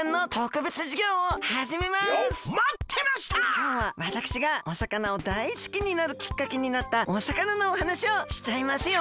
きょうはわたくしがお魚をだい好きになるきっかけになったお魚のおはなしをしちゃいますよ。